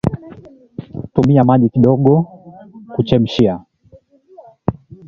Tumia maji kidogo kuchemshia